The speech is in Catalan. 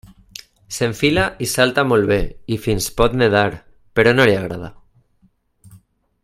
S'enfila i salta molt bé i fins pot nedar, però no li agrada.